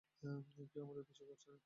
কেউ আমাদের পিছু করছে না।